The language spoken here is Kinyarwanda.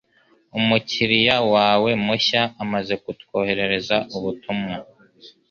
Umukiriya wawe mushya amaze kukwoherereza ubutumwa.